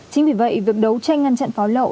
chính vì vậy việc đấu tranh ngăn chặn pháo lậu